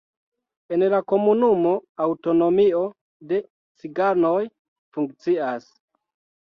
En la komunumo aŭtonomio de ciganoj funkcias.